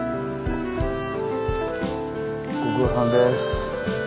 ご苦労さんです。